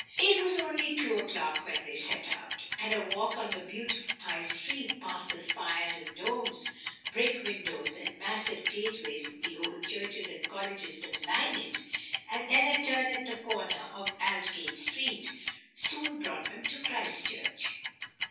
It was only two o'clock when they set out, and a walk up the beautiful High Street, past the spires and domes, brick windows and massive gateways of the old churches and colleges that line it, and then a turn at the corner of Aldgate Street, soon brought them to Christ Church.